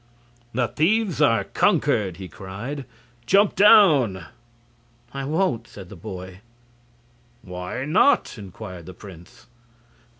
"The thieves are conquered," he cried. "Jump down!" "I won't," said the boy. "Why not?" inquired the prince.